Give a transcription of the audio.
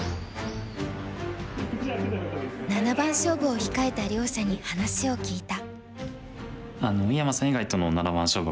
七番勝負を控えた両者に話を聞いた。